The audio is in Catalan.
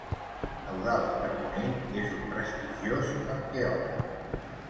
Eudald Carbonell és un prestigiós arqueòleg.